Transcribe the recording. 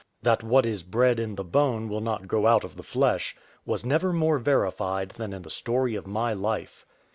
"That what is bred in the bone will not go out of the flesh," was never more verified than in the story of my Life.